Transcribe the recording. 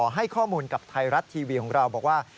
ให้ข้อมูลกับไทยรัฐทีวีของเราบอกว่า